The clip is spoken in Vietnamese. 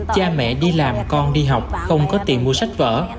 chà mẹ đi làm con đi học không có tiền mua sách vỡ